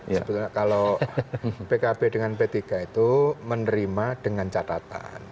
sebetulnya kalau pkb dengan p tiga itu menerima dengan catatan